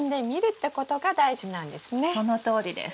そのとおりです。